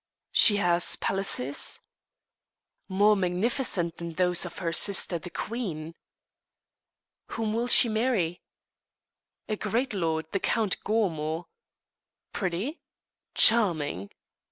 "She has palaces?" "More magnificent than those of her sister, the queen." "Whom will she marry?" "A great lord, the Count Gormo." "Pretty?" "Charming."